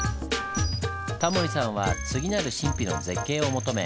タモリさんは次なる神秘の絶景を求め